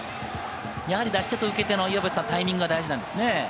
やはり、出し手と受け手のタイミングは大事なんですね。